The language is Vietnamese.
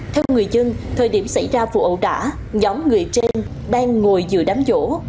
theo người dân thời điểm xảy ra vụ ẩu đả nhóm người trên đang ngồi dừa đám vỗ